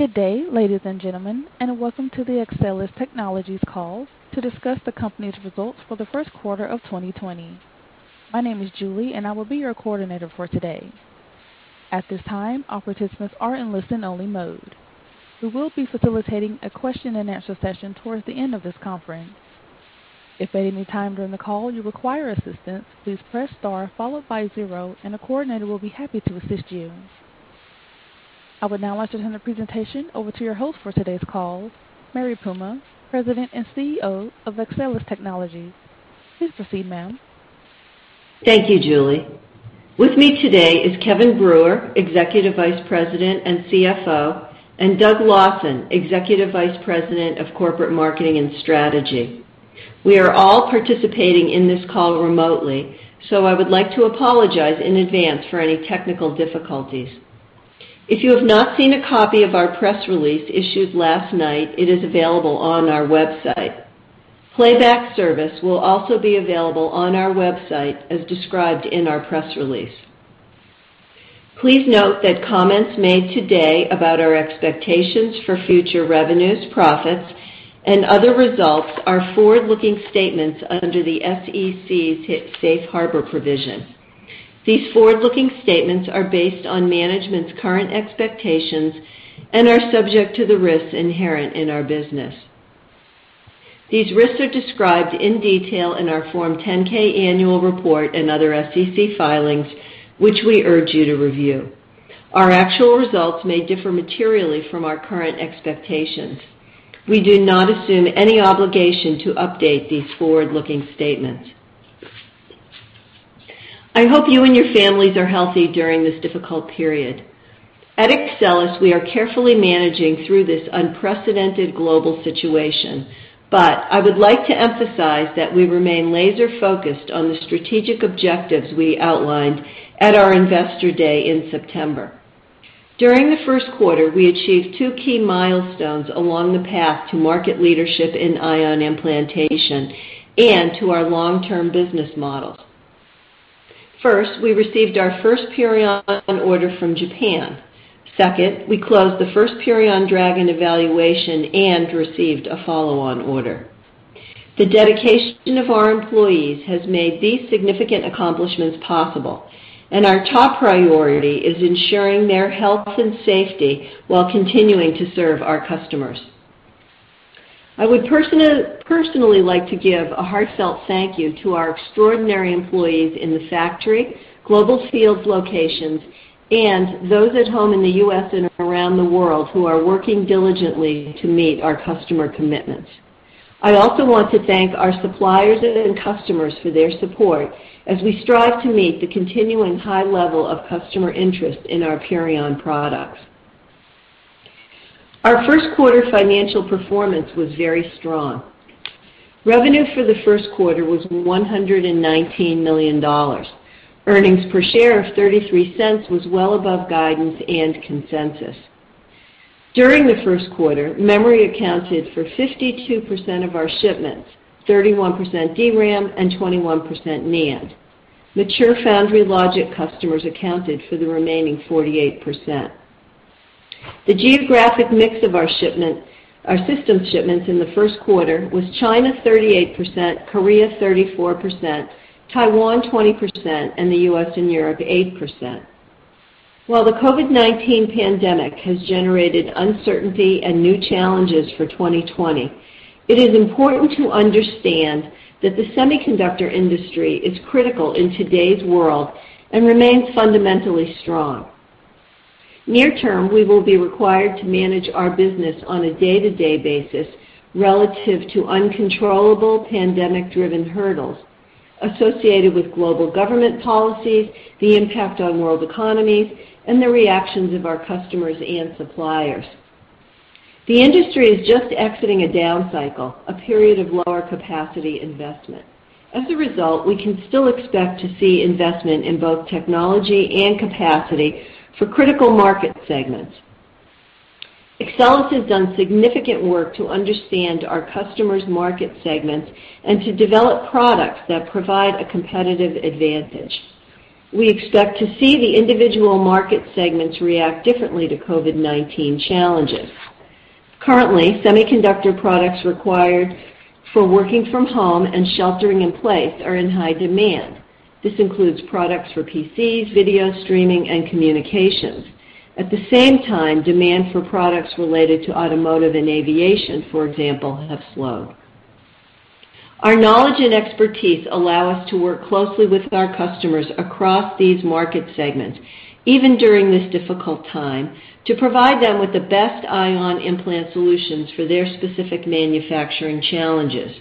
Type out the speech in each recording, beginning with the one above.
Good day, ladies and gentlemen, and welcome to the Axcelis Technologies call to discuss the company's results for the first quarter of 2020. My name is Julie, and I will be your coordinator for today. At this time, all participants are in listen-only mode. We will be facilitating a question-and-answer session towards the end of this conference. If at any time during the call you require assistance, please press star followed by zero, and a coordinator will be happy to assist you. I would now like to turn the presentation over to your host for today's call, Mary Puma, President and CEO of Axcelis Technologies. Please proceed, ma'am. Thank you, Julie. With me today is Kevin Brewer, Executive Vice President and CFO, and Doug Lawson, Executive Vice President of Corporate Marketing and Strategy. We are all participating in this call remotely. I would like to apologize in advance for any technical difficulties. If you have not seen a copy of our press release issued last night, it is available on our website. Playback service will also be available on our website as described in our press release. Please note that comments made today about our expectations for future revenues, profits, and other results are forward-looking statements under the SEC's Safe Harbor Provision. These forward-looking statements are based on management's current expectations and are subject to the risks inherent in our business. These risks are described in detail in our Form 10-K annual report and other SEC filings, which we urge you to review. Our actual results may differ materially from our current expectations. We do not assume any obligation to update these forward-looking statements. I hope you and your families are healthy during this difficult period. At Axcelis, we are carefully managing through this unprecedented global situation. I would like to emphasize that we remain laser-focused on the strategic objectives we outlined at our Investor Day in September. During the first quarter, we achieved two key milestones along the path to market leadership in ion implantation and to our long-term business model. First, we received our first Purion order from Japan. Second, we closed the first Purion Dragon evaluation and received a follow-on order. The dedication of our employees has made these significant accomplishments possible, and our top priority is ensuring their health and safety while continuing to serve our customers. I would personally like to give a heartfelt thank you to our extraordinary employees in the factory, global sales locations, and those at home in the U.S. and around the world who are working diligently to meet our customer commitments. I also want to thank our suppliers and customers for their support as we strive to meet the continuing high level of customer interest in our Purion products. Our first quarter financial performance was very strong. Revenue for the first quarter was $119 million. Earnings per share of $0.33 was well above guidance and consensus. During the first quarter, memory accounted for 52% of our shipments, 31% DRAM, and 21% NAND. Mature foundry logic customers accounted for the remaining 48%. The geographic mix of our systems shipments in the first quarter was China 38%, Korea 34%, Taiwan 20%, and the U.S. and Europe 8%. While the COVID-19 pandemic has generated uncertainty and new challenges for 2020, it is important to understand that the semiconductor industry is critical in today's world and remains fundamentally strong. Near term, we will be required to manage our business on a day-to-day basis relative to uncontrollable pandemic-driven hurdles associated with global government policies, the impact on world economies, and the reactions of our customers and suppliers. The industry is just exiting a down cycle, a period of lower capacity investment. As a result, we can still expect to see investment in both technology and capacity for critical market segments. Axcelis has done significant work to understand our customers' market segments and to develop products that provide a competitive advantage. We expect to see the individual market segments react differently to COVID-19 challenges. Currently, semiconductor products required for working from home and sheltering in place are in high demand. This includes products for PCs, video streaming, and communications. At the same time, demand for products related to automotive and aviation, for example, have slowed. Our knowledge and expertise allow us to work closely with our customers across these market segments, even during this difficult time, to provide them with the best ion implantation solutions for their specific manufacturing challenges.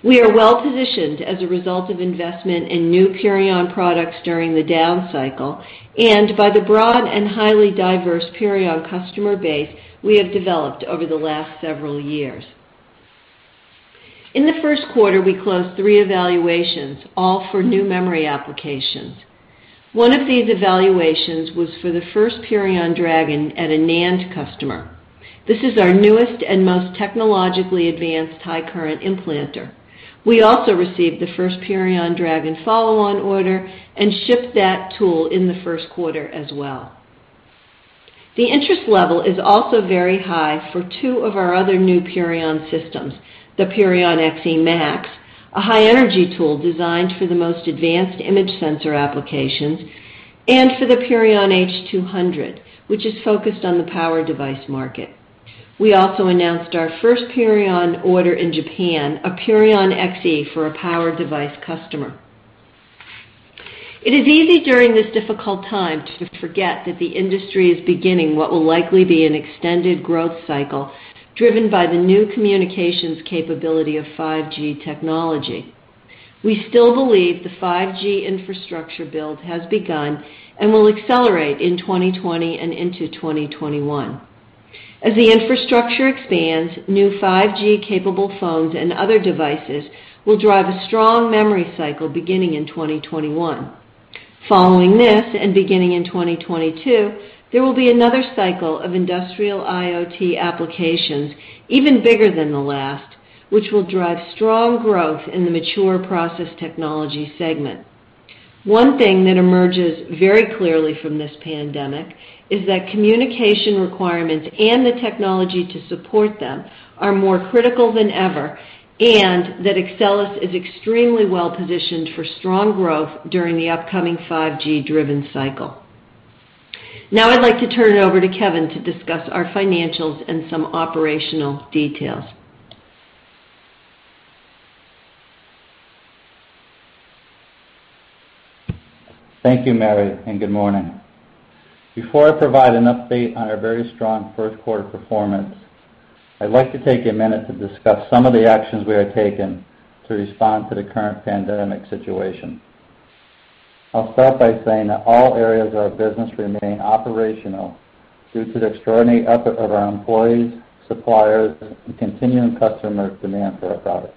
We are well-positioned as a result of investment in new Purion products during the down cycle and by the broad and highly diverse Purion customer base we have developed over the last several years. In the first quarter, we closed three evaluations, all for new memory applications. One of these evaluations was for the first Purion Dragon at a NAND customer. This is our newest and most technologically advanced high current implanter. We also received the first Purion Dragon follow-on order and shipped that tool in the first quarter as well. The interest level is also very high for two of our other new Purion systems, the Purion XEmax, a high-energy tool designed for the most advanced image sensor applications, and for the Purion H200, which is focused on the power device market. We also announced our first Purion order in Japan, a Purion XE for a power device customer. It is easy during this difficult time to forget that the industry is beginning what will likely be an extended growth cycle driven by the new communications capability of 5G technology. We still believe the 5G infrastructure build has begun and will accelerate in 2020 and into 2021. As the infrastructure expands, new 5G-capable phones and other devices will drive a strong memory cycle beginning in 2021. Following this, and beginning in 2022, there will be another cycle of industrial IoT applications, even bigger than the last, which will drive strong growth in the mature process technology segment. One thing that emerges very clearly from this pandemic is that communication requirements and the technology to support them are more critical than ever, and that Axcelis is extremely well-positioned for strong growth during the upcoming 5G-driven cycle. Now I'd like to turn it over to Kevin to discuss our financials and some operational details. Thank you, Mary, and good morning. Before I provide an update on our very strong first quarter performance, I'd like to take a minute to discuss some of the actions we have taken to respond to the current pandemic situation. I'll start by saying that all areas of our business remain operational due to the extraordinary effort of our employees, suppliers, and continuing customer demand for our products.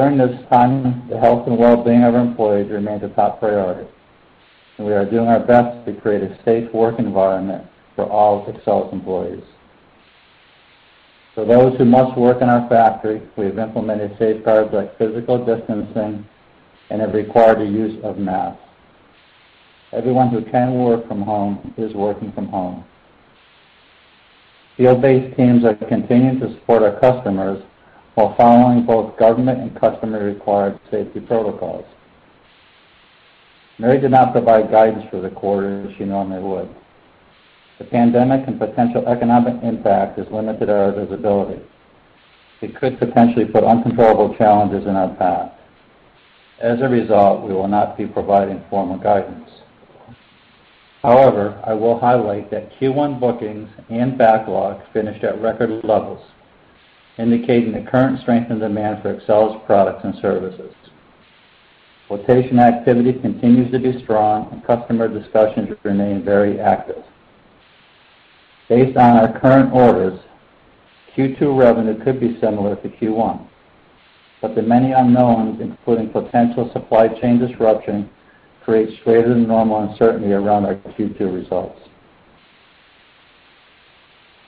During this time, the health and well-being of our employees remains a top priority, and we are doing our best to create a safe work environment for all Axcelis employees. For those who must work in our factory, we have implemented safeguards like physical distancing and have required the use of masks. Everyone who can work from home is working from home. Field-based teams are continuing to support our customers while following both government and customer-required safety protocols. Mary did not provide guidance for the quarter as she normally would. The pandemic and potential economic impact has limited our visibility. It could potentially put uncontrollable challenges in our path. As a result, we will not be providing formal guidance. However, I will highlight that Q1 bookings and backlogs finished at record levels, indicating the current strength and demand for Axcelis products and services. Quotation activity continues to be strong, and customer discussions remain very active. Based on our current orders, Q2 revenue could be similar to Q1, but the many unknowns, including potential supply chain disruption, create greater than normal uncertainty around our Q2 results.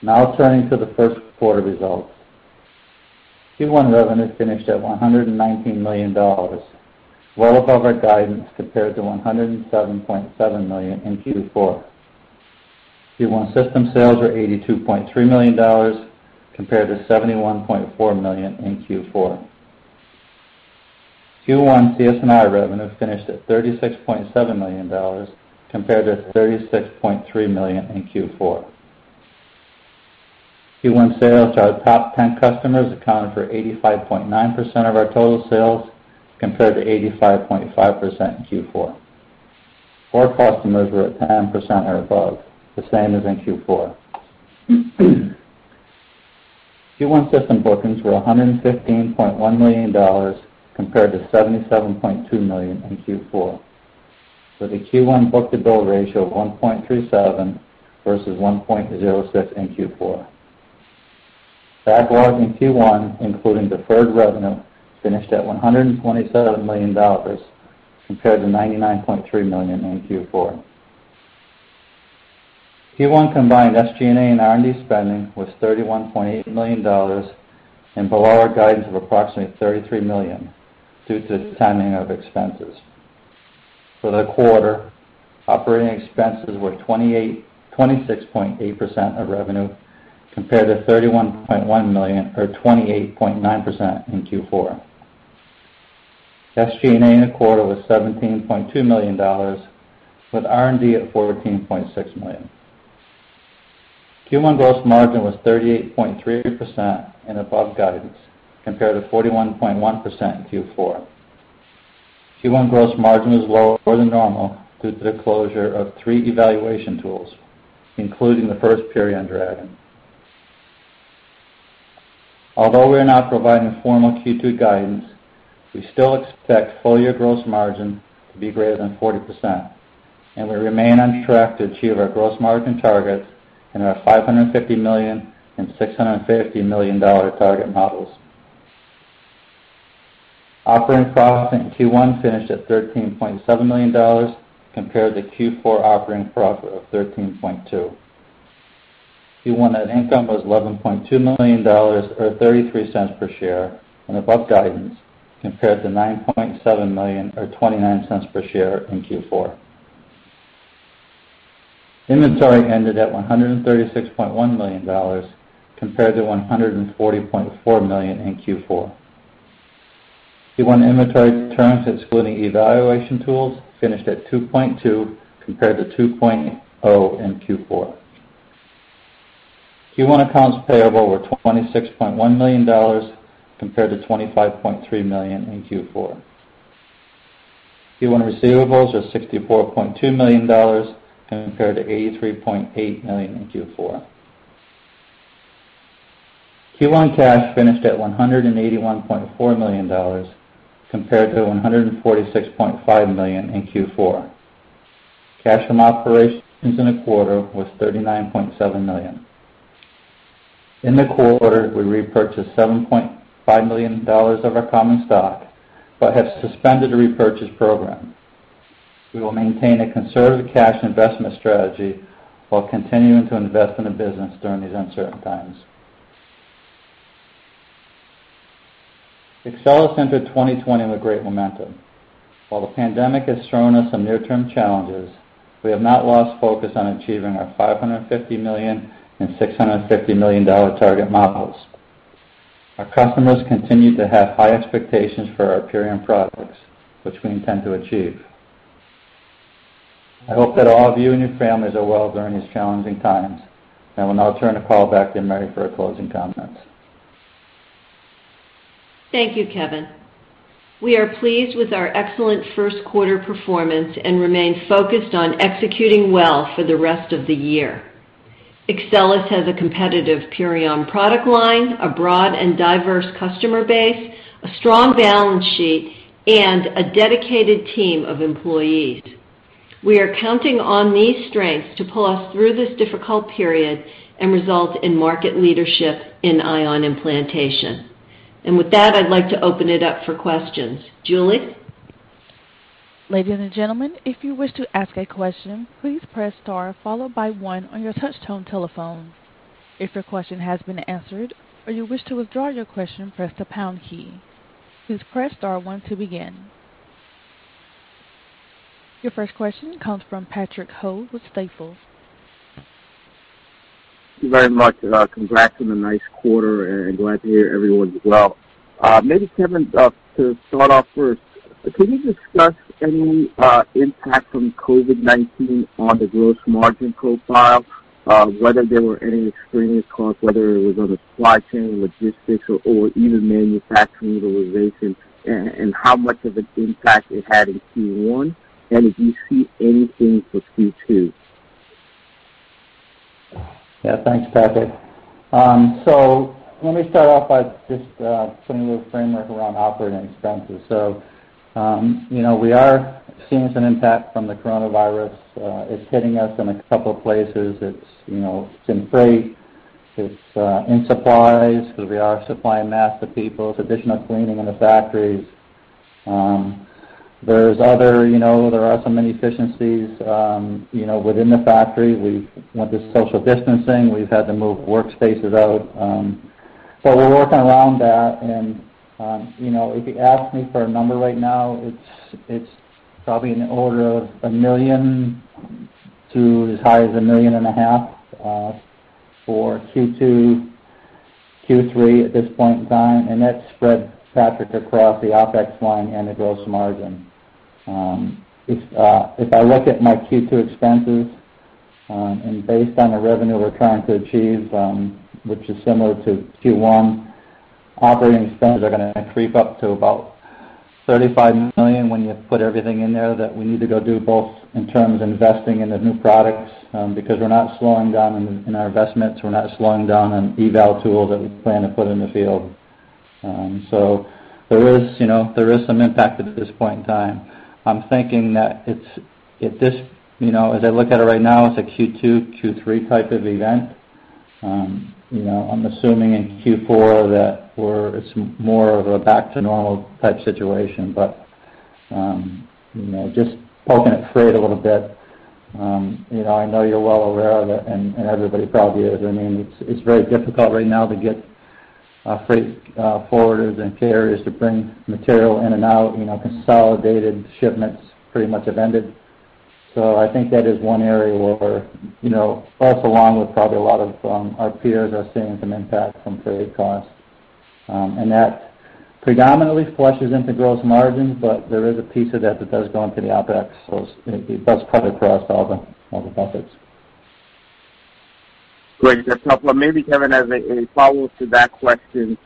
Now turning to the first quarter results. Q1 revenue finished at $119 million, well above our guidance, compared to $107.7 million in Q4. Q1 system sales were $82.3 million, compared to $71.4 million in Q4. Q1 CS&MI revenue finished at $36.7 million, compared to $36.3 million in Q4. Q1 sales to our top 10 customers accounted for 85.9% of our total sales, compared to 85.5% in Q4. Four customers were at 10% or above, the same as in Q4. Q1 system bookings were $115.1 million, compared to $77.2 million in Q4, with a Q1 book-to-bill ratio of 1.37 versus 1.06 in Q4. Backlog in Q1, including deferred revenue, finished at $127 million, compared to $99.3 million in Q4. Q1 combined SG&A and R&D spending was $31.8 million and below our guidance of approximately $33 million due to the timing of expenses. For the quarter, operating expenses were 26.8% of revenue, compared to $31.1 million or 28.9% in Q4. SG&A in the quarter was $17.2 million, with R&D at $14.6 million. Q1 gross margin was 38.3% and above guidance, compared to 41.1% in Q4. Q1 gross margin was lower than normal due to the closure of three evaluation tools, including the first Purion Dragon. Although we are not providing formal Q2 guidance, we still expect full-year gross margin to be greater than 40%, and we remain on track to achieve our gross margin targets in our $550 million and $650 million target models. Operating profit in Q1 finished at $13.7 million compared to Q4 operating profit of $13.2 million. Q1 net income was $11.2 million, or $0.33 per share, and above guidance, compared to $9.7 million or $0.29 per share in Q4. Inventory ended at $136.1 million, compared to $140.4 million in Q4. Q1 inventory turns, excluding evaluation tools, finished at 2.2, compared to 2.0 in Q4. Q1 accounts payable were $26.1 million, compared to $25.3 million in Q4. Q1 receivables are $64.2 million compared to $83.8 million in Q4. Q1 cash finished at $181.4 million, compared to $146.5 million in Q4. Cash from operations in the quarter was $39.7 million. In the quarter, we repurchased $7.5 million of our common stock, but have suspended a repurchase program. We will maintain a conservative cash investment strategy while continuing to invest in the business during these uncertain times. Axcelis entered 2020 with great momentum. While the pandemic has shown us some near-term challenges, we have not lost focus on achieving our $550 million and $650 million target models. Our customers continue to have high expectations for our Purion products, which we intend to achieve. I hope that all of you and your families are well during these challenging times, and I will now turn the call back to Mary for her closing comments. Thank you, Kevin. We are pleased with our excellent first quarter performance and remain focused on executing well for the rest of the year. Axcelis has a competitive Purion product line, a broad and diverse customer base, a strong balance sheet, and a dedicated team of employees. We are counting on these strengths to pull us through this difficult period and result in market leadership in ion implantation. With that, I'd like to open it up for questions. Julie? Ladies and gentlemen, if you wish to ask a question, please press star followed by one on your touch tone telephone. If your question has been answered, or you wish to withdraw your question, press the pound key. Please press star one to begin. Your first question comes from Patrick Ho with Stifel. Thank you very much. Congrats on a nice quarter, and glad to hear everyone's well. Maybe Kevin, to start off first, can you discuss any impact from COVID-19 on the gross margin profile, whether there were any extraneous costs, whether it was on the supply chain logistics or even manufacturing utilization, and how much of an impact it had in Q1? If you see anything for Q2? Yeah. Thanks, Patrick. Let me start off by just putting a little framework around operating expenses. We are seeing some impact from the coronavirus. It's hitting us in a couple of places. It's in freight, it's in supplies because we are supplying masks to people, to additional cleaning in the factories. There are some inefficiencies within the factory. We want this social distancing. We've had to move workspaces out. We're working around that, and if you ask me for a number right now, it's probably in the order of $1 million-$1.5 million for Q2, Q3 at this point in time. That's spread, Patrick, across the OpEx line and the gross margin. If I look at my Q2 expenses, and based on the revenue we're trying to achieve, which is similar to Q1, operating expenses are going to creep up to about $35 million when you put everything in there that we need to go do, both in terms of investing in the new products, because we're not slowing down in our investments, we're not slowing down on eval tools that we plan to put in the field. There is some impact at this point in time. I'm thinking that as I look at it right now, it's a Q2, Q3 type of event. I'm assuming in Q4 that it's more of a back to normal type situation. Just poking at freight a little bit, I know you're well aware of it, and everybody probably is. It's very difficult right now to get freight forwarders and carriers to bring material in and out. Consolidated shipments pretty much have ended. I think that is one area where us, along with probably a lot of our peers, are seeing some impact from freight costs. That predominantly flushes into gross margin, but there is a piece of that that does go into the OpEx. It does cut across all the buckets. Great. Maybe Kevin, as a follow-up to that question,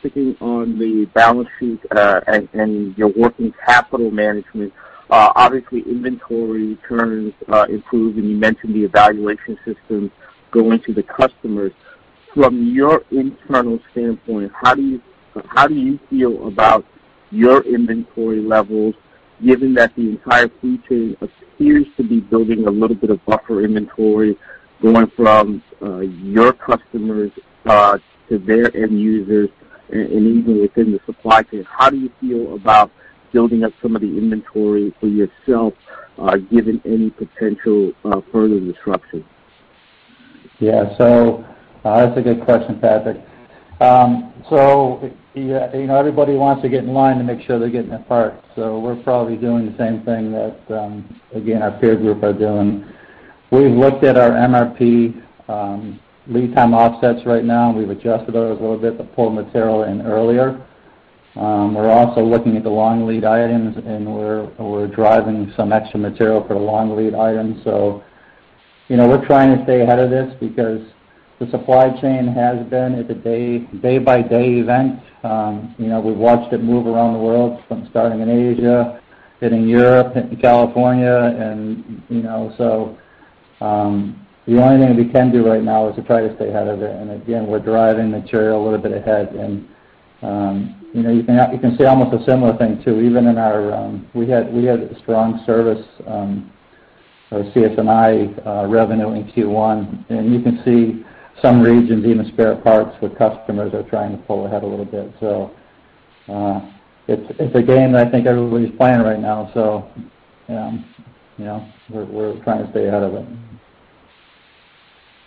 sticking on the balance sheet, and your working capital management. Obviously, inventory turns improve, and you mentioned the evaluation system going to the customers. From your internal standpoint, how do you feel about your inventory levels? Given that the entire food chain appears to be building a little bit of buffer inventory going from your customers to their end users and even within the supply chain, how do you feel about building up some of the inventory for yourself given any potential further disruption? Yeah. That's a good question, Patrick. Everybody wants to get in line to make sure they're getting their parts. We're probably doing the same thing that, again, our peer group are doing. We've looked at our MRP lead time offsets right now, and we've adjusted those a little bit to pull material in earlier. We're also looking at the long lead items, and we're driving some extra material for the long lead items. We're trying to stay ahead of this because the supply chain has been at a day-by-day event. We've watched it move around the world from starting in Asia, hitting Europe, hitting California, and so the only thing we can do right now is to try to stay ahead of it, and again, we're driving material a little bit ahead. You can see almost a similar thing, too. We had strong service, CS&MI revenue in Q1, and you can see some regions, even spare parts, where customers are trying to pull ahead a little bit. It's a game that I think everybody's playing right now, so we're trying to stay ahead of it.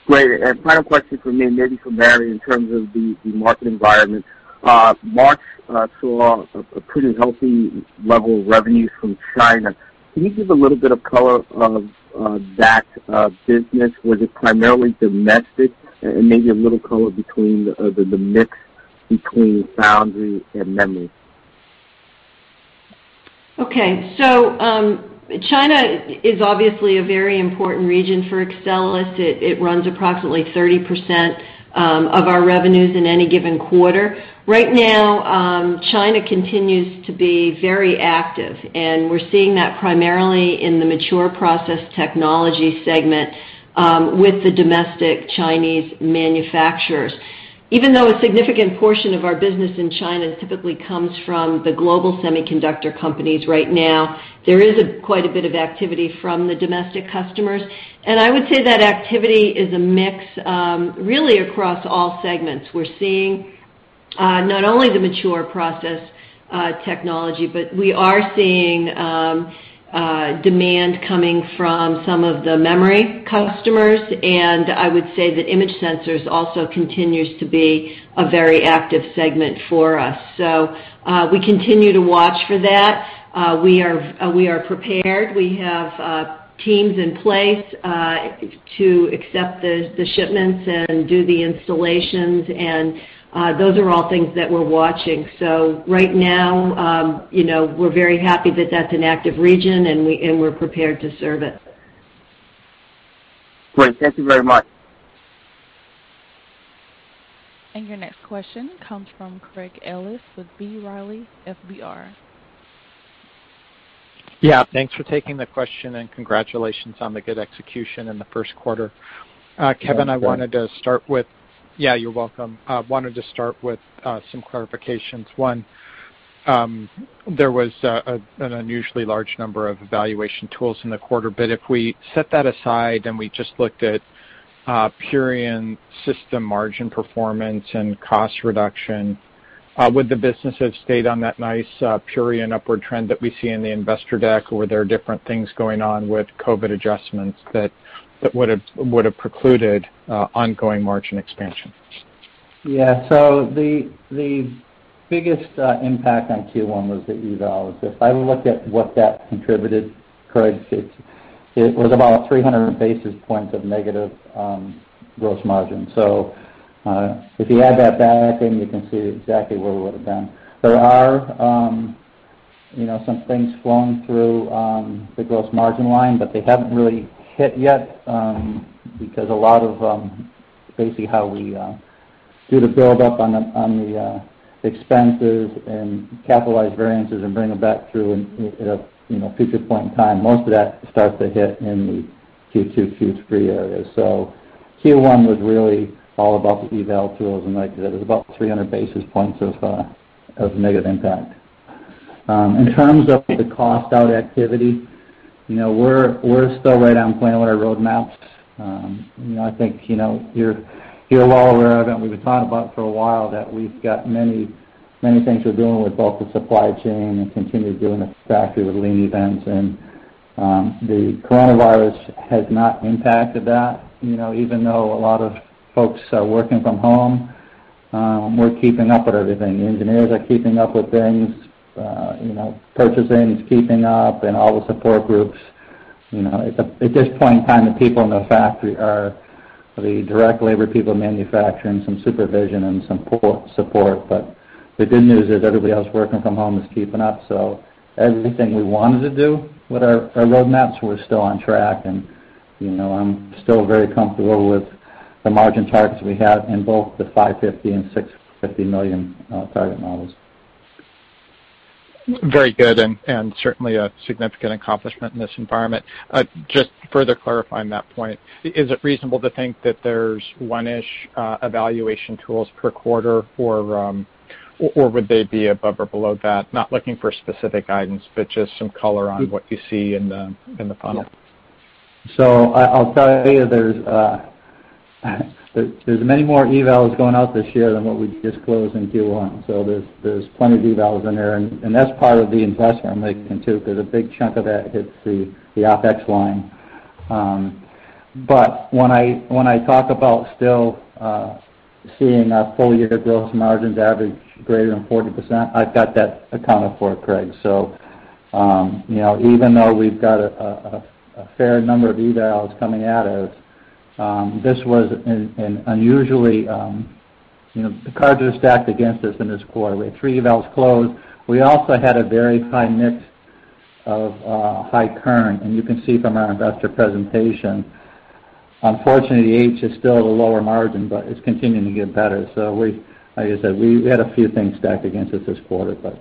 Great. Final question from me, maybe for Mary, in terms of the market environment. March saw a pretty healthy level of revenues from China. Can you give a little bit of color of that business? Was it primarily domestic, and maybe a little color between the mix between foundry and memory? China is obviously a very important region for Axcelis. It runs approximately 30% of our revenues in any given quarter. Right now, China continues to be very active, and we're seeing that primarily in the mature process technology segment with the domestic Chinese manufacturers. Even though a significant portion of our business in China typically comes from the global semiconductor companies right now, there is quite a bit of activity from the domestic customers, and I would say that activity is a mix really across all segments. We're seeing not only the mature process technology, but we are seeing demand coming from some of the memory customers, and I would say that image sensors also continues to be a very active segment for us. We continue to watch for that. We are prepared. We have teams in place to accept the shipments and do the installations. Those are all things that we're watching. Right now, we're very happy that that's an active region, and we're prepared to serve it. Great. Thank you very much. Your next question comes from Craig Ellis with B Riley FBR. Yeah, thanks for taking the question and congratulations on the good execution in the first quarter. You're welcome. Kevin, I wanted to start with Yeah, you're welcome. I wanted to start with some clarifications. One, there was an unusually large number of evaluation tools in the quarter, but if we set that aside and we just looked at period system margin performance and cost reduction, would the business have stayed on that nice period upward trend that we see in the investor deck, or were there different things going on with COVID adjustments that would have precluded ongoing margin expansion? Yeah. The biggest impact on Q1 was the eval. If I looked at what that contributed, Craig, it was about 300 basis points of negative gross margin. If you add that back in, you can see exactly where we would've been. There are some things flowing through the gross margin line, but they haven't really hit yet, because a lot of basically how we do the build up on the expenses and capitalize variances and bring them back through in a future point in time, most of that starts to hit in the Q2, Q3 areas. Q1 was really all about the eval tools, and like I said, it was about 300 basis points of negative impact. In terms of the cost-out activity, we're still right on plan with our roadmaps. I think you're well aware of it, and we've been talking about for a while that we've got many things we're doing with both the supply chain and continue doing at the factory with lean events, and the coronavirus has not impacted that. Even though a lot of folks are working from home, we're keeping up with everything. The engineers are keeping up with things. Purchasing is keeping up, and all the support groups. At this point in time, the people in the factory are the direct labor people manufacturing, some supervision, and some support. The good news is everybody else working from home is keeping up. Everything we wanted to do with our roadmaps, we're still on track, and I'm still very comfortable with the margin targets we have in both the $550 million and $650 million target models. Very good, certainly a significant accomplishment in this environment. Just further clarifying that point, is it reasonable to think that there's one-ish evaluation tools per quarter, or would they be above or below that? Not looking for specific guidance, just some color on what you see in the funnel. I'll tell you, there's many more evals going out this year than what we disclosed in Q1. There's plenty of evals in there, and that's part of the investment I'm making, too, because a big chunk of that hits the OpEx line. When I talk about still seeing our full year gross margins average greater than 40%, I've got that accounted for, Craig. Even though we've got a fair number of evals coming at us, the cards are stacked against us in this quarter. We had three evals close. We also had a very high mix of high current, and you can see from our investor presentation. Unfortunately, the H is still at a lower margin, but it's continuing to get better. Like I said, we had a few things stacked against us this quarter, but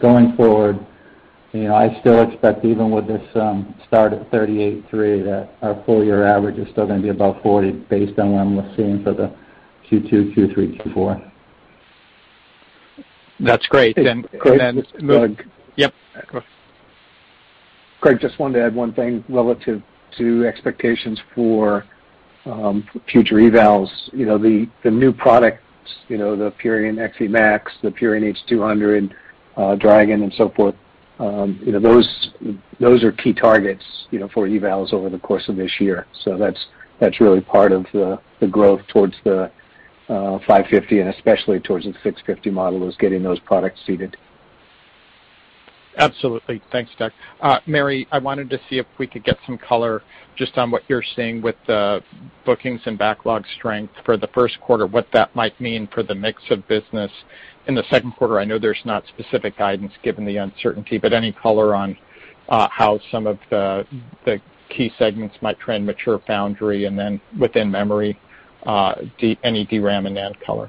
going forward, I still expect even with this start at 38.3, that our full year average is still going to be above 40 based on what I'm seeing for the Q2, Q3, Q4. That's great. Craig, Yep. Go ahead. Craig, just wanted to add one thing relative to expectations for future evals. The new products, the Purion XEmax, the Purion H200, Dragon, and so forth, those are key targets for evals over the course of this year. That's really part of the growth towards the $550 and especially towards the $650 model is getting those products seated. Absolutely. Thanks, Doug. Mary, I wanted to see if we could get some color just on what you're seeing with the bookings and backlog strength for the first quarter, what that might mean for the mix of business in the second quarter. I know there's not specific guidance given the uncertainty, but any color on how some of the key segments might trend mature foundry, and then within memory, any DRAM and NAND color.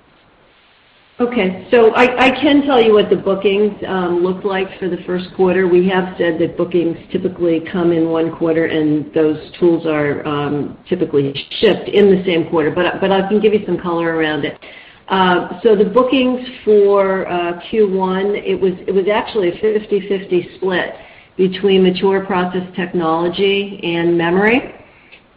Okay. I can tell you what the bookings looked like for the first quarter. We have said that bookings typically come in one quarter, and those tools are typically shipped in the same quarter, but I can give you some color around it. The bookings for Q1, it was actually a 50/50 split between mature process technology and memory.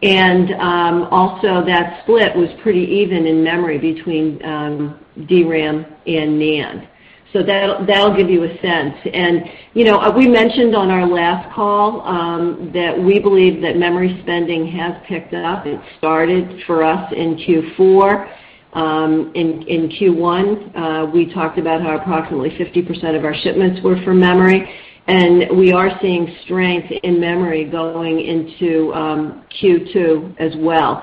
That split was pretty even in memory between DRAM and NAND. That'll give you a sense. We mentioned on our last call that we believe that memory spending has picked up. It started for us in Q4. In Q1, we talked about how approximately 50% of our shipments were for memory, and we are seeing strength in memory going into Q2 as well.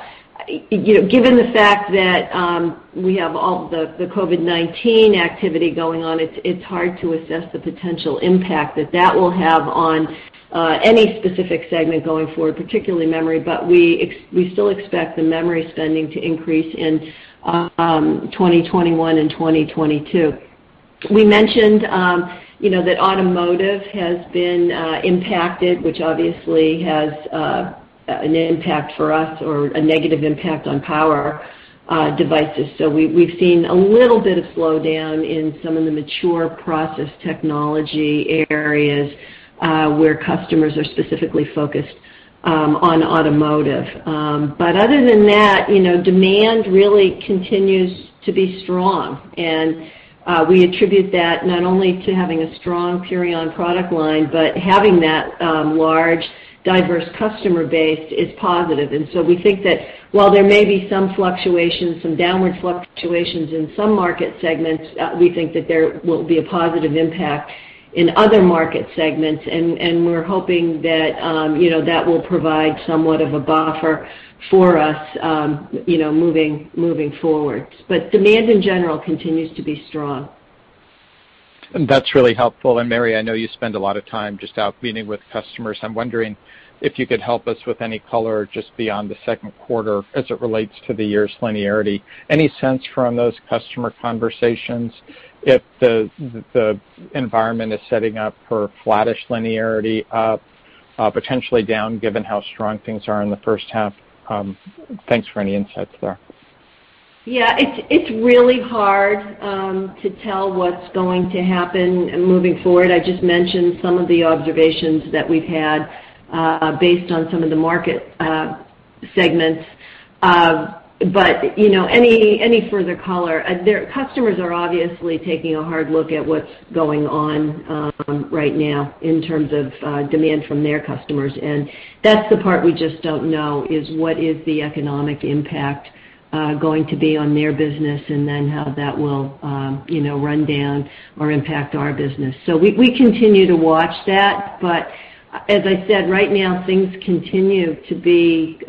Given the fact that we have all the COVID-19 activity going on, it's hard to assess the potential impact that that will have on any specific segment going forward, particularly memory, but we still expect the memory spending to increase in 2021 and 2022. We mentioned that automotive has been impacted, which obviously has an impact for us or a negative impact on power devices. We've seen a little bit of slowdown in some of the mature process technology areas where customers are specifically focused on automotive. Other than that, demand really continues to be strong, and we attribute that not only to having a strong Purion product line, but having that large, diverse customer base is positive. We think that while there may be some fluctuations, some downward fluctuations in some market segments, we think that there will be a positive impact in other market segments, and we're hoping that will provide somewhat of a buffer for us moving forward. Demand in general continues to be strong. That's really helpful. Mary, I know you spend a lot of time just out meeting with customers. I'm wondering if you could help us with any color just beyond the second quarter as it relates to the year's linearity. Any sense from those customer conversations if the environment is setting up for flattish linearity up, potentially down, given how strong things are in the first half? Thanks for any insights there. Yeah. It's really hard to tell what's going to happen moving forward. I just mentioned some of the observations that we've had based on some of the market segments. Any further color, customers are obviously taking a hard look at what's going on right now in terms of demand from their customers, and that's the part we just don't know is what is the economic impact going to be on their business, and then how that will run down or impact our business. We continue to watch that, but as I said, right now, things continue to be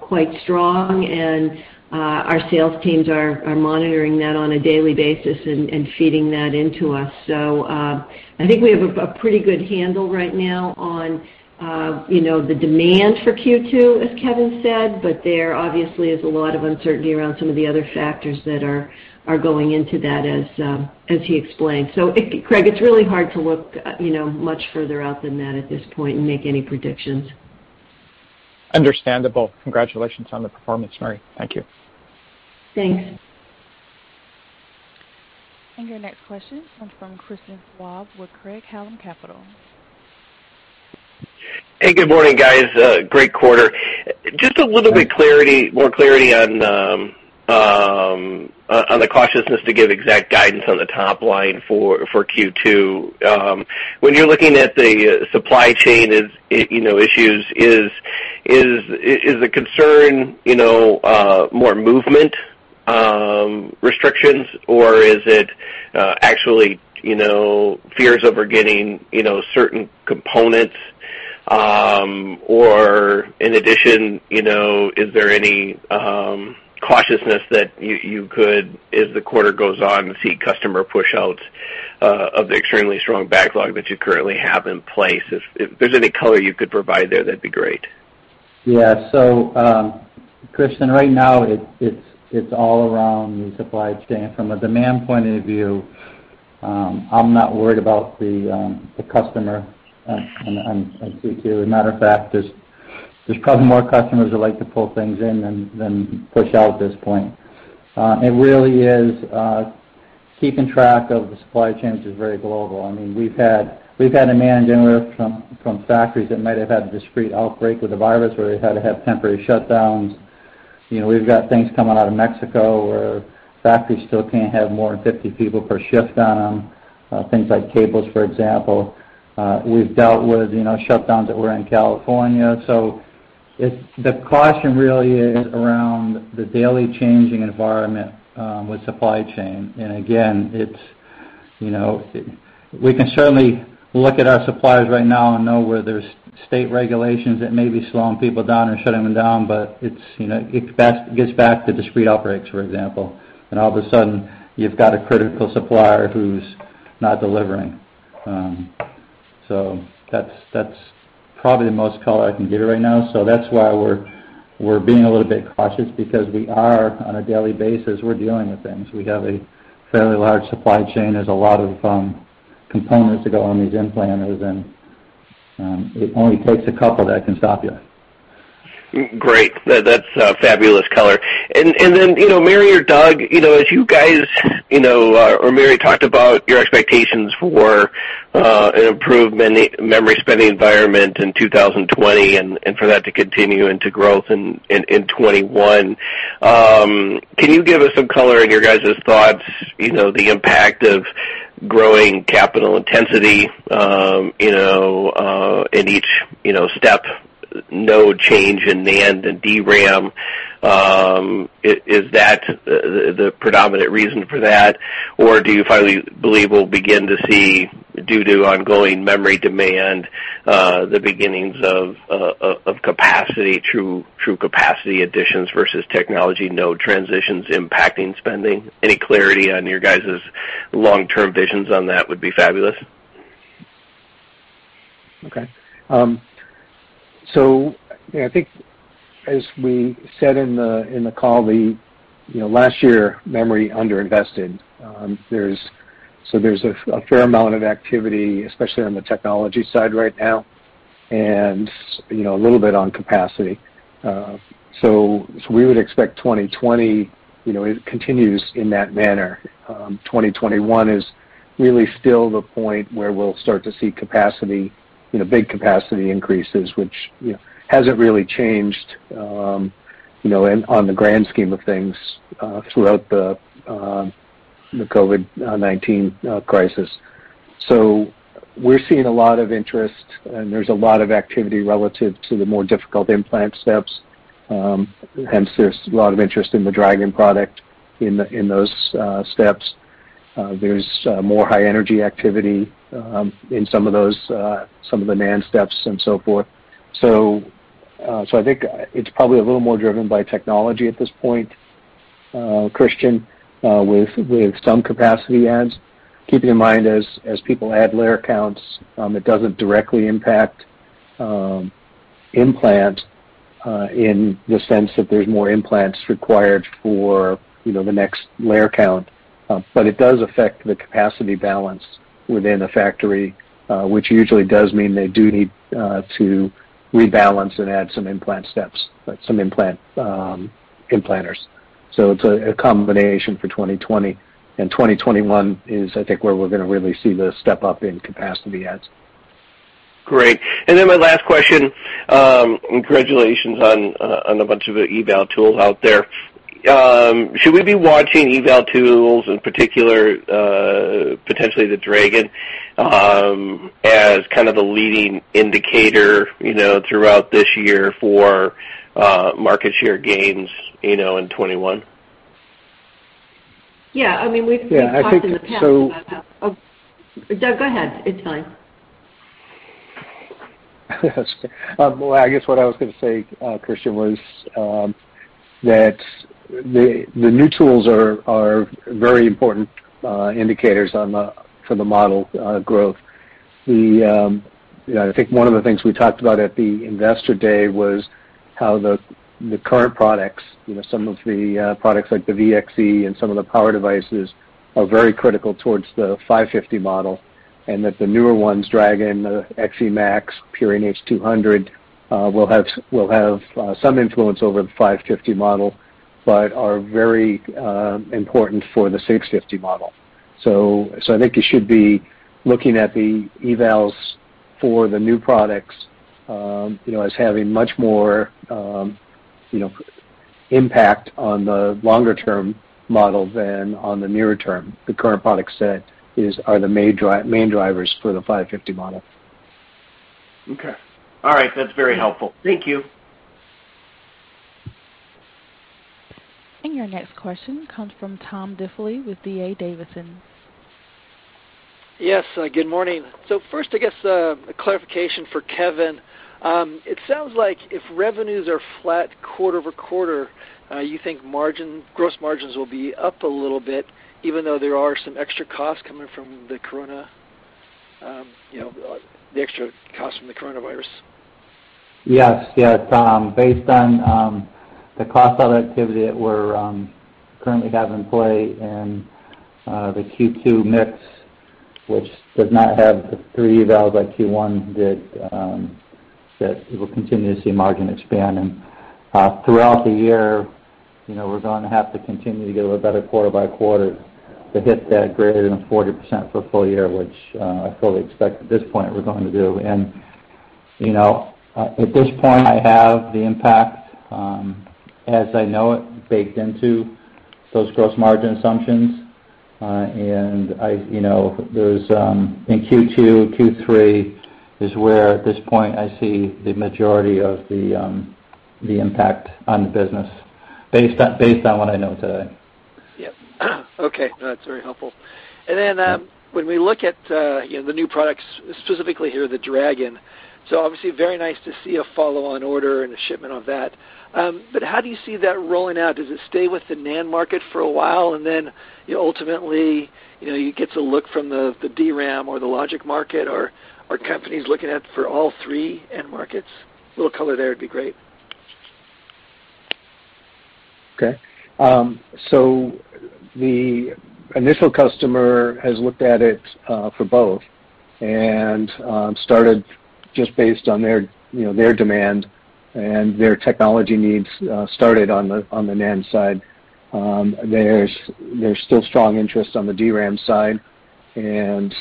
quite strong and our sales teams are monitoring that on a daily basis and feeding that into us. I think we have a pretty good handle right now on the demand for Q2, as Kevin said, but there obviously is a lot of uncertainty around some of the other factors that are going into that as he explained. Craig, it's really hard to look much further out than that at this point and make any predictions. Understandable. Congratulations on the performance, Mary. Thank you. Thanks. Your next question comes from Christian Schwab with Craig-Hallum Capital. Hey, good morning, guys. Great quarter. Just a little bit more clarity on the cautiousness to give exact guidance on the top line for Q2. When you're looking at the supply chain issues, is the concern more movement restrictions or is it actually fears over getting certain components? In addition, is there any cautiousness that you could, as the quarter goes on, see customer pushouts of the extremely strong backlog that you currently have in place? If there's any color you could provide there, that'd be great. Christian, right now, it's all around the supply chain. From a demand point of view, I'm not worried about the customer on Q2. As a matter of fact, there's probably more customers that like to pull things in than push out at this point. It really is keeping track of the supply chains is very global. We've had a NAND vendor from factories that might have had a discrete outbreak with the virus where they've had to have temporary shutdowns. We've got things coming out of Mexico where factories still can't have more than 50 people per shift on them, things like cables, for example. We've dealt with shutdowns that were in California. The caution really is around the daily changing environment with supply chain. Again, we can certainly look at our suppliers right now and know where there's state regulations that may be slowing people down or shutting them down, but it gets back to discrete outbreaks, for example. All of a sudden, you've got a critical supplier who's not delivering. That's probably the most color I can give right now. That's why we're being a little bit cautious because we are, on a daily basis, we're dealing with things. We have a fairly large supply chain. There's a lot of components that go on these implanters, and it only takes a couple that can stop you. Great. That's fabulous color. Mary or Doug, as you guys, or Mary talked about your expectations for an improvement in memory spending environment in 2020 and for that to continue into growth in 2021. Can you give us some color on your guys' thoughts, the impact of growing capital intensity, in each step, node change in NAND and DRAM. Is that the predominant reason for that, or do you finally believe we'll begin to see, due to ongoing memory demand, the beginnings of capacity through capacity additions versus technology node transitions impacting spending? Any clarity on your guys' long-term visions on that would be fabulous. Okay. Yeah, I think as we said in the call, last year, memory under-invested. We would expect 2020, it continues in that manner. 2021 is really still the point where we'll start to see big capacity increases, which hasn't really changed on the grand scheme of things throughout the COVID-19 crisis. We're seeing a lot of interest, and there's a lot of activity relative to the more difficult implant steps, hence there's a lot of interest in the Dragon product in those steps. There's more high energy activity in some of the NAND steps and so forth. I think it's probably a little more driven by technology at this point, Christian, with some capacity adds. Keeping in mind as people add layer counts, it doesn't directly impact implant in the sense that there's more implants required for the next layer count. It does affect the capacity balance within a factory, which usually does mean they do need to rebalance and add some implant implanters. It's a combination for 2020, and 2021 is, I think, where we're going to really see the step-up in capacity adds. Great. My last question, congratulations on a bunch of eval tools out there. Should we be watching eval tools, in particular, potentially the Dragon, as kind of the leading indicator throughout this year for market share gains in 2021? Yeah. We've talked in the past about that. Yeah, I think so. Doug, go ahead. It's fine. Well, I guess what I was going to say, Christian, was that the new tools are very important indicators for the model growth. I think one of the things we talked about at the Investor Day was how the current products, some of the products like the VXE and some of the power devices, are very critical towards the 550 model. That the newer ones, Dragon, XEmax, Purion H200, will have some influence over the 550 model, but are very important for the 650 model. I think you should be looking at the evals for the new products as having much more impact on the longer-term model than on the nearer term. The current product set are the main drivers for the 550 model. Okay. All right. That's very helpful. Thank you. Your next question comes from Tom Diffely with DA Davidson. Yes, good morning. First, I guess, a clarification for Kevin. It sounds like if revenues are flat quarter-over-quarter, you think gross margins will be up a little bit, even though there are some extra costs coming from the Coronavirus. Yes. Tom, based on the cost of activity that we currently have in play in the Q2 mix, which does not have the three evals by Q1 that we'll continue to see margin expand. Throughout the year, we're going to have to continue to get a little better quarter by quarter to hit that greater than 40% for full year, which I fully expect at this point we're going to do. At this point, I have the impact, as I know it, baked into those gross margin assumptions. In Q2, Q3 is where at this point I see the majority of the impact on the business based on what I know today. Yep. Okay. No, that's very helpful. When we look at the new products, specifically here, the Purion Dragon, obviously very nice to see a follow-on order and a shipment of that. How do you see that rolling out? Does it stay with the NAND market for a while and then ultimately, you get to look from the DRAM or the logic market, or are companies looking at for all three end markets? A little color there would be great. Okay. The initial customer has looked at it for both and started just based on their demand and their technology needs, started on the NAND side. There's still strong interest on the DRAM side, and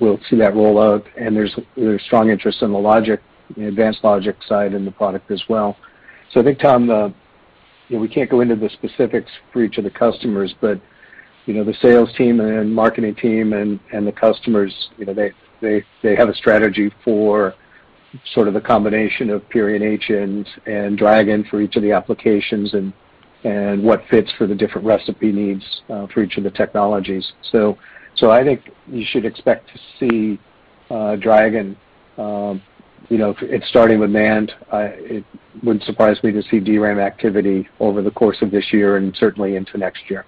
we'll see that roll out, and there's strong interest in the advanced logic side in the product as well. I think, Tom, we can't go into the specifics for each of the customers, but the sales team and marketing team and the customers, they have a strategy for sort of the combination of Purion H and Dragon for each of the applications and what fits for the different recipe needs for each of the technologies. I think you should expect to see Dragon, it's starting with NAND. It wouldn't surprise me to see DRAM activity over the course of this year and certainly into next year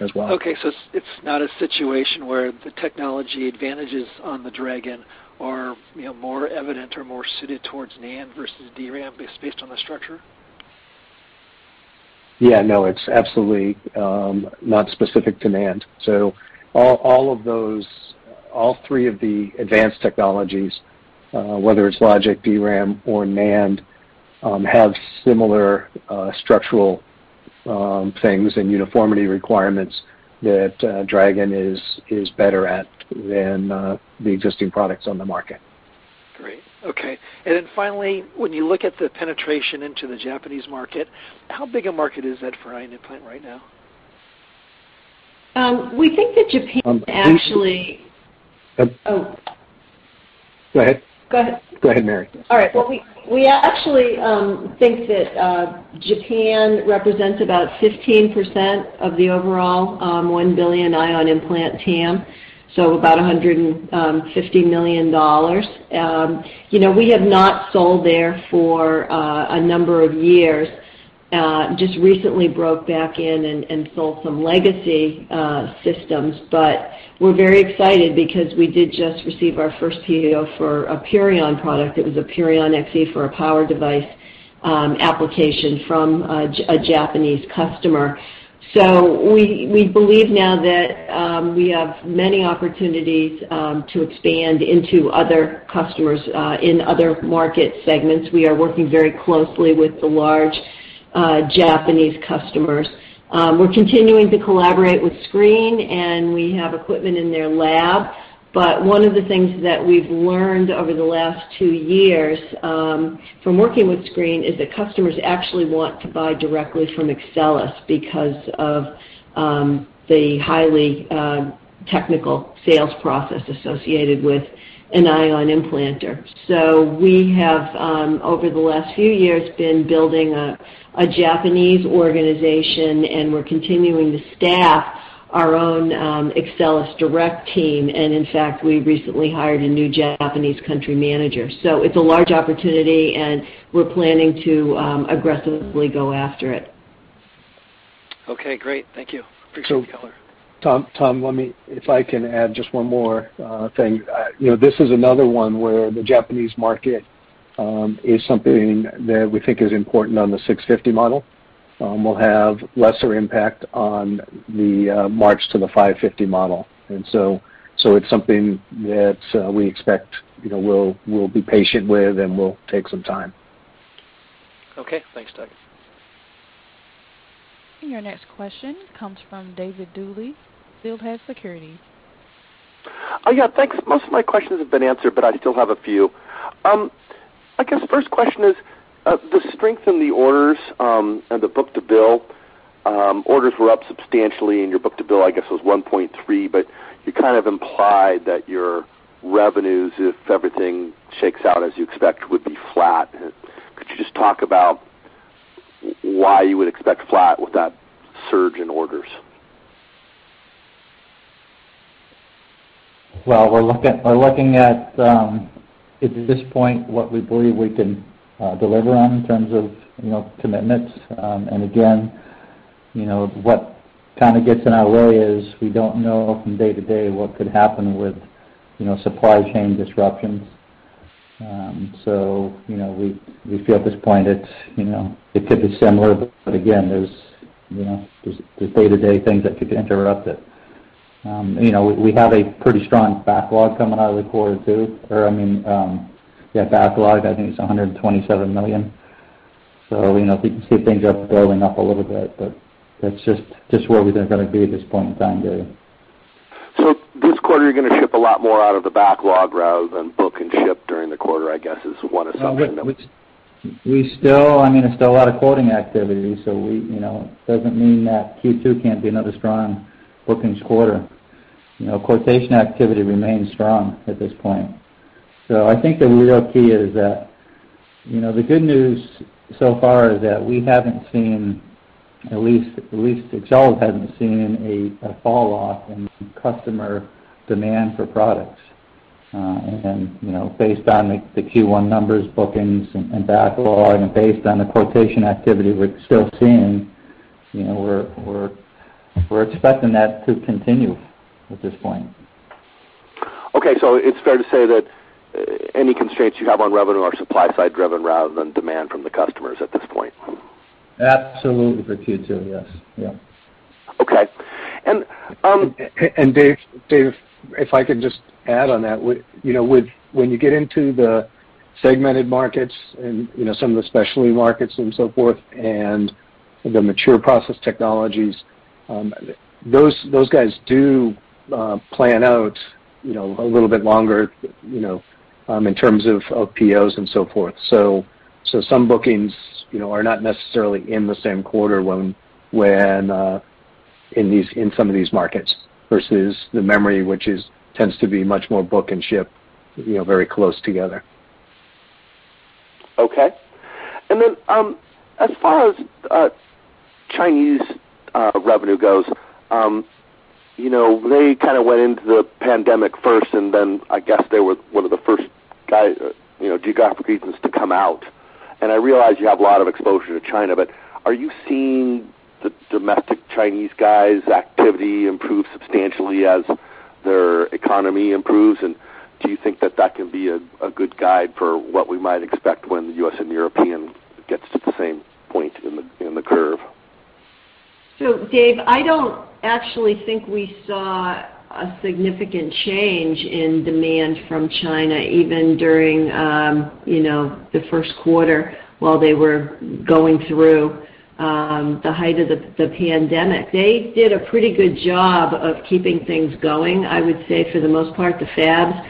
as well. Okay, it's not a situation where the technology advantages on the Purion Dragon are more evident or more suited towards NAND versus DRAM based on the structure? Yeah, no, it's absolutely not specific to NAND. All three of the advanced technologies, whether it's logic, DRAM, or NAND, have similar structural things and uniformity requirements that Dragon is better at than the existing products on the market. Great. Okay. Then finally, when you look at the penetration into the Japanese market, how big a market is that for ion implant right now? We think that Japan. Go ahead. Go ahead. Go ahead, Mary. All right. Well, we actually think that Japan represents about 15% of the overall $1 billion ion implant TAM, so about $150 million. We have not sold there for a number of years. Just recently broke back in and sold some legacy systems. We're very excited because we did just receive our first PO for a Purion product. It was a Purion XE for a power device application from a Japanese customer. We believe now that we have many opportunities to expand into other customers in other market segments. We are working very closely with the large Japanese customers. We're continuing to collaborate with SCREEN, and we have equipment in their lab. One of the things that we've learned over the last two years from working with SCREEN is that customers actually want to buy directly from Axcelis because of the highly technical sales process associated with an ion implanter. We have, over the last few years, been building a Japanese organization, and we're continuing to staff our own Axcelis direct team, and in fact, we recently hired a new Japanese country manager. It's a large opportunity, and we're planning to aggressively go after it. Okay, great. Thank you. Appreciate the color. Tom, if I can add just one more thing. This is another one where the Japanese market is something that we think is important on the 650 model. Will have lesser impact on the March to the 550 model. It's something that we expect we'll be patient with, and will take some time. Okay. Thanks, Doug. Your next question comes from David Duley, Steelhead Securities. Yeah, thanks. Most of my questions have been answered, but I still have a few. I guess first question is the strength in the orders and the book-to-bill, orders were up substantially, and your book-to-bill, I guess, was 1.3, but you kind of implied that your revenues, if everything shakes out as you expect, would be flat. Could you just talk about why you would expect flat with that surge in orders? Well, we're looking at this point, what we believe we can deliver on in terms of commitments. Again, what kind of gets in our way is we don't know from day to day what could happen with supply chain disruptions. We feel at this point it could be similar, but again, there's the day-to-day things that could interrupt it. We have a pretty strong backlog coming out of the quarter, too, or I mean, yeah, backlog, I think it's $127 million. We can see things are building up a little bit, but that's just where we're going to be at this point in time, David. This quarter, you're going to ship a lot more out of the backlog rather than book and ship during the quarter, I guess is one assumption. We still I mean, there's still a lot of quoting activity, so it doesn't mean that Q2 can't be another strong bookings quarter. Quotation activity remains strong at this point. I think the real key is that the good news so far is that we haven't seen, at least Axcelis hasn't seen a fall-off in customer demand for products. Based on the Q1 numbers, bookings, and backlog, and based on the quotation activity we're still seeing, we're expecting that to continue at this point. Okay, it's fair to say that any constraints you have on revenue are supply-side driven rather than demand from the customers at this point? Absolutely for Q2. Yes. Okay. Dave, if I could just add on that. When you get into the segmented markets and some of the specialty markets and so forth, and the mature process technologies, those guys do plan out a little bit longer in terms of POs and so forth. Some bookings are not necessarily in the same quarter when in some of these markets, versus the memory, which tends to be much more book and ship very close together. Okay. As far as Chinese revenue goes, they kind of went into the pandemic first, and then I guess they were one of the first geographic regions to come out. I realize you have a lot of exposure to China, but are you seeing the domestic Chinese guys' activity improve substantially as their economy improves? Do you think that that can be a good guide for what we might expect when the U.S. and European gets to the same point in the curve? David, I don't actually think we saw a significant change in demand from China, even during the first quarter while they were going through the height of the pandemic. They did a pretty good job of keeping things going, I would say, for the most part. The fabs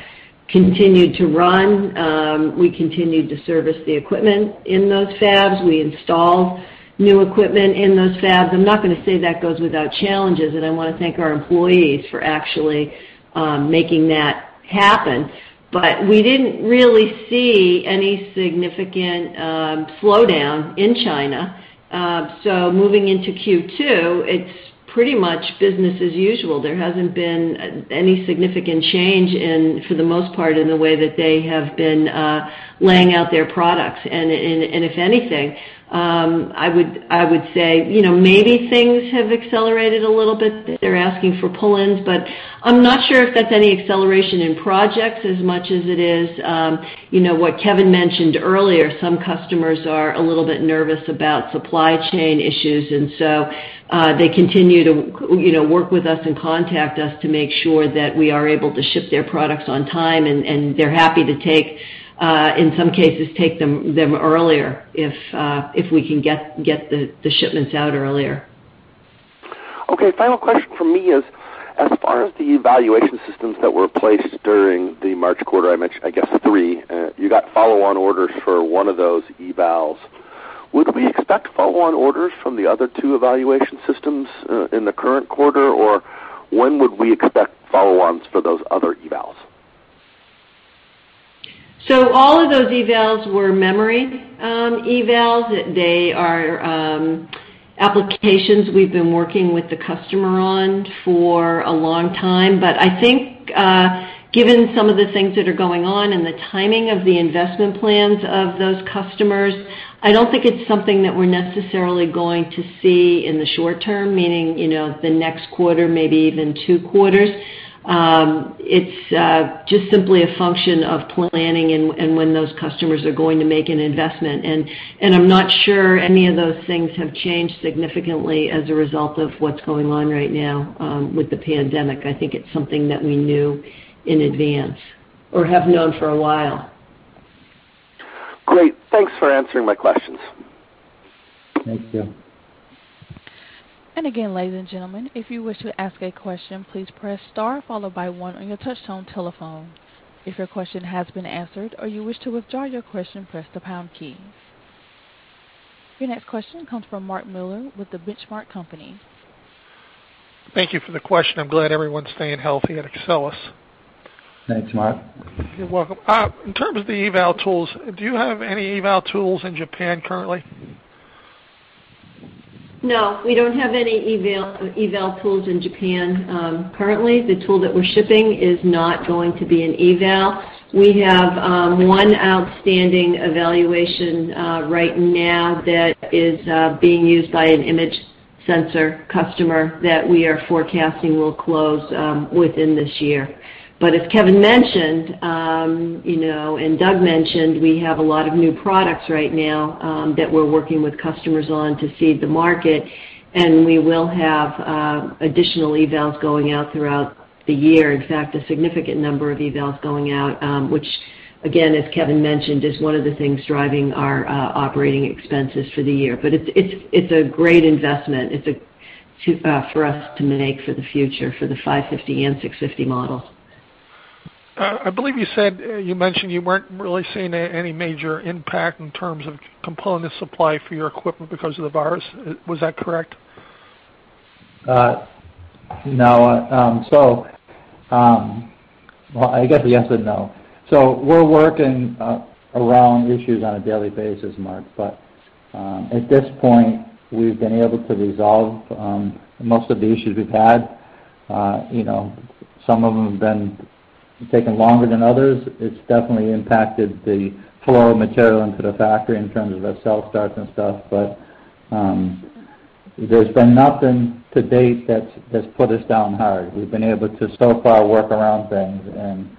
continued to run. We continued to service the equipment in those fabs. We installed new equipment in those fabs. I'm not going to say that goes without challenges, and I want to thank our employees for actually making that happen. We didn't really see any significant slowdown in China. Moving into Q2, it's pretty much business as usual. There hasn't been any significant change in, for the most part, in the way that they have been laying out their products. If anything, I would say maybe things have accelerated a little bit. They're asking for pull-ins, but I'm not sure if that's any acceleration in projects as much as it is what Kevin mentioned earlier. Some customers are a little bit nervous about supply chain issues, and so they continue to work with us and contact us to make sure that we are able to ship their products on time, and they're happy to take, in some cases, take them earlier if we can get the shipments out earlier. Okay. Final question from me is, as far as the evaluation systems that were placed during the March quarter, I mentioned, I guess, three. You got follow-on orders for one of those evals. Would we expect follow-on orders from the other two evaluation systems in the current quarter, or when would we expect follow-ons for those other evals? All of those evals were memory evals. They are applications we've been working with the customer on for a long time. I think given some of the things that are going on and the timing of the investment plans of those customers, I don't think it's something that we're necessarily going to see in the short term, meaning the next quarter, maybe even two quarters. It's just simply a function of planning and when those customers are going to make an investment. I'm not sure any of those things have changed significantly as a result of what's going on right now with the pandemic. I think it's something that we knew in advance or have known for a while. Great. Thanks for answering my questions. Thank you. Again, ladies and gentlemen, if you wish to ask a question, please press star followed by one on your touchtone telephone. If your question has been answered or you wish to withdraw your question, press the pound key. Your next question comes from Mark Miller with The Benchmark Company. Thank you for the question. I'm glad everyone's staying healthy at Axcelis. Thanks, Mark. You're welcome. In terms of the eval tools, do you have any eval tools in Japan currently? No, we don't have any eval tools in Japan currently. The tool that we're shipping is not going to be an eval. We have one outstanding evaluation right now that is being used by an image sensor customer that we are forecasting will close within this year. As Kevin mentioned, and Doug mentioned, we have a lot of new products right now that we're working with customers on to seed the market, and we will have additional evals going out throughout the year. In fact, a significant number of evals going out, which again, as Kevin mentioned, is one of the things driving our operating expenses for the year. It's a great investment for us to make for the future for the 550 and 650 model. I believe you said you mentioned you weren't really seeing any major impact in terms of component supply for your equipment because of the virus. Was that correct? No. Well, I guess yes and no. We're working around issues on a daily basis, Mark, but, at this point, we've been able to resolve most of the issues we've had. Some of them have taken longer than others. It's definitely impacted the flow of material into the factory in terms of our cell starts and stuff, but there's been nothing to date that's put us down hard. We've been able to, so far, work around things and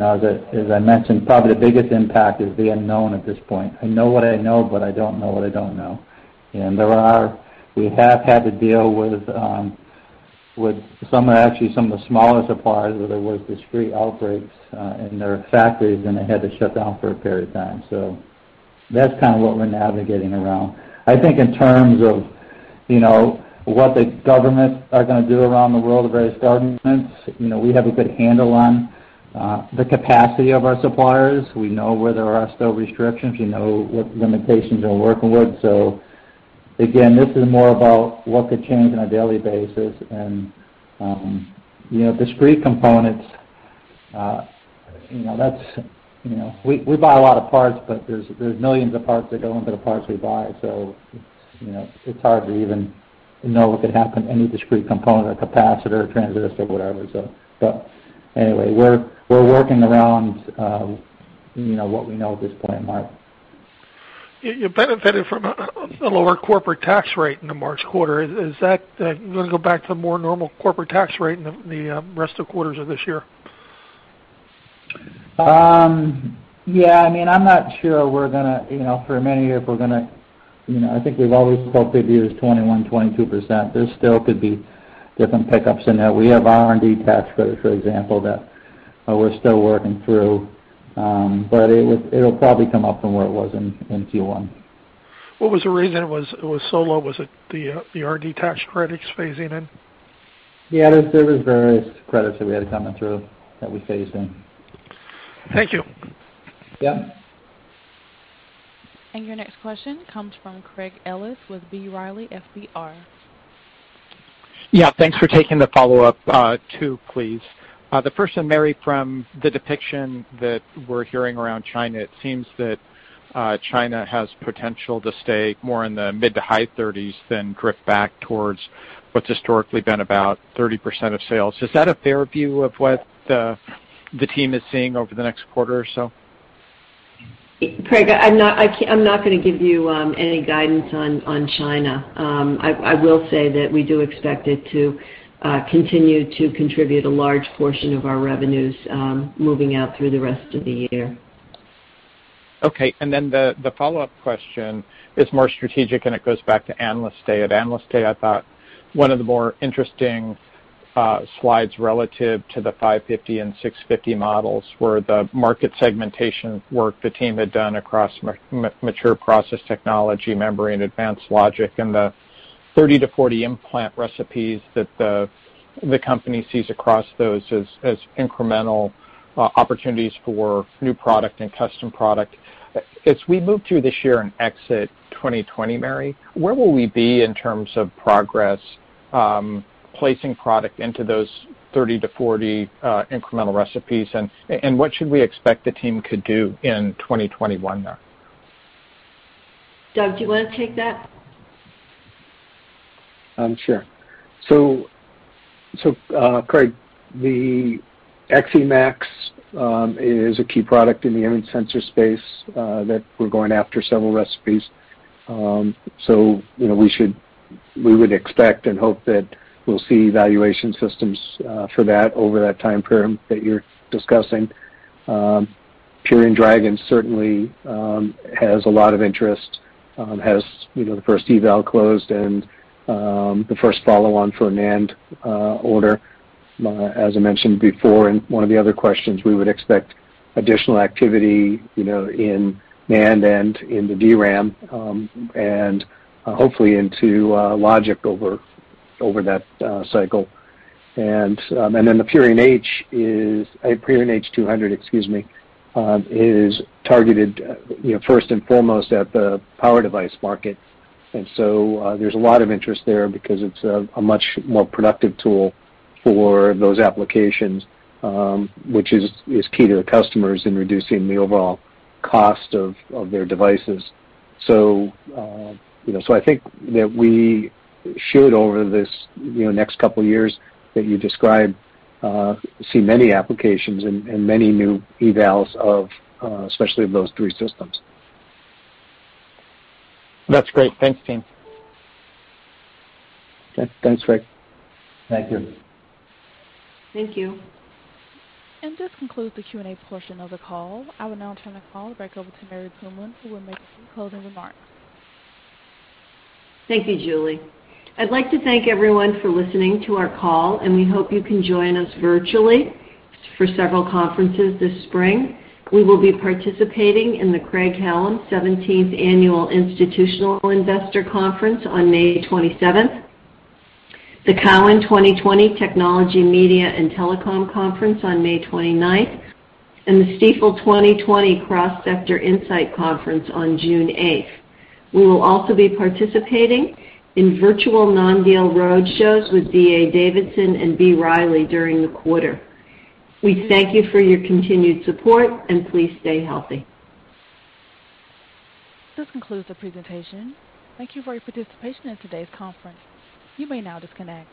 as I mentioned, probably the biggest impact is the unknown at this point. I know what I know, but I don't know what I don't know. We have had to deal with actually some of the smaller suppliers where there was discrete outbreaks, in their factories, and they had to shut down for a period of time. That's kind of what we're navigating around. I think in terms of what the governments are going to do around the world, the various governments, we have a good handle on the capacity of our suppliers. We know where there are still restrictions, we know what limitations we're working with. Again, this is more about what could change on a daily basis, and discrete components, we buy a lot of parts, but there's millions of parts that go into the parts we buy. It's hard to even know what could happen, any discrete component or capacitor, transistor, whatever. Anyway, we're working around what we know at this point, Mark. You benefited from a lower corporate tax rate in the March quarter. Is that going to go back to a more normal corporate tax rate in the rest of quarters of this year? Yeah, I think we've always hoped it is 21%, 22%. There still could be different pickups in that. We have R&D tax credits, for example, that we're still working through. It'll probably come up from where it was in Q1. What was the reason it was so low? Was it the R&D tax credits phasing in? Yeah. There was various credits that we had coming through that we phased in. Thank you. Yeah. Your next question comes from Craig Ellis with B Riley FBR. Yeah. Thanks for taking the follow-up, two, please. The first one, Mary, from the depiction that we're hearing around China, it seems that China has potential to stay more in the mid to high thirties than drift back towards what's historically been about 30% of sales. Is that a fair view of what the team is seeing over the next quarter or so? Craig, I'm not going to give you any guidance on China. I will say that we do expect it to continue to contribute a large portion of our revenues, moving out through the rest of the year. Okay. Then the follow-up question is more strategic, and it goes back to Analyst Day. At Analyst Day, I thought one of the more interesting slides relative to the 550 and 650 models were the market segmentation work the team had done across mature process technology, memory, and advanced logic, and the 30-40 implant recipes that the company sees across those as incremental opportunities for new product and custom product. As we move through this year and exit 2020, Mary, where will we be in terms of progress, placing product into those 30-40 incremental recipes? What should we expect the team could do in 2021 there? Doug, do you want to take that? Sure. Craig, the Purion XEmax is a key product in the image sensor space that we're going after several recipes. We would expect and hope that we'll see evaluation systems for that over that time frame that you're discussing. Purion Dragon certainly has a lot of interest, has the first eval closed and the first follow-on for a NAND order. As I mentioned before in one of the other questions, we would expect additional activity in NAND and in the DRAM, and hopefully into logic over that cycle. The Purion H200, excuse me, is targeted first and foremost at the power device market. There's a lot of interest there because it's a much more productive tool for those applications, which is key to the customers in reducing the overall cost of their devices. I think that we should, over this next couple of years that you described, see many applications and many new evals, especially of those three systems. That's great. Thanks, team. Thanks, Craig. Thank you. Thank you. This concludes the Q&A portion of the call. I will now turn the call back over to Mary Puma, who will make some closing remarks. Thank you, Julie. I'd like to thank everyone for listening to our call, and we hope you can join us virtually for several conferences this spring. We will be participating in the Craig-Hallum 17th Annual Institutional Investor Conference on May 27th, the Cowen 2020 Technology, Media & Telecom Conference on May 29th, and the Stifel 2020 Cross Sector Insight Conference on June 8th. We will also be participating in virtual non-deal roadshows with DA Davidson and B Riley during the quarter. We thank you for your continued support, and please stay healthy. This concludes the presentation. Thank you for your participation in today's conference. You may now disconnect.